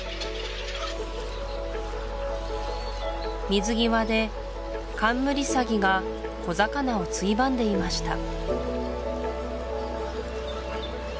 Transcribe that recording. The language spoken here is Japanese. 水際でカンムリサギが小魚をついばんでいました